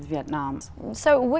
và tôi nghĩ